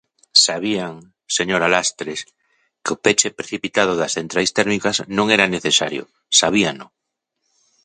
Sabían, señora Lastres, que o peche precipitado das centrais térmicas non era necesario, sabíano.